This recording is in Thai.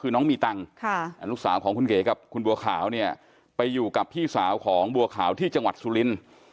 คือน้องมีตังค์ลูกสาวของคุณเก๋กับคุณบัวขาวเนี่ยไปอยู่กับพี่สาวของบัวขาวที่จังหวัดสุรินทร์